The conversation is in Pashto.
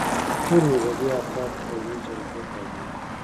ټول مذهبي افراد قومي جرګو تابع وي.